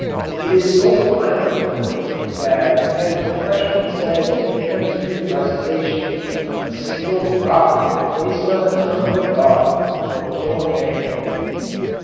It is so violent a poison that, as the freshman said in a chemistry recitation, "a single drop of it placed on the tongue of a dog will kill a man."